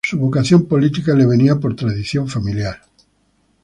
Su vocación política le venía por tradición familiar.